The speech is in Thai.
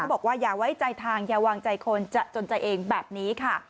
บอกว่าอย่าไว้ใจทางอย่าวางใจคนจะจนใจเองแบบนี้ค่ะ